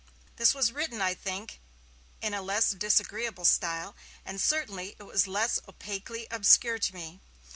This was written, I think, in a less disagreeable style, and certainly it was less opaquely obscure to me.